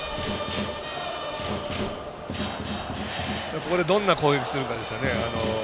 ここで、どんな攻撃するかですね。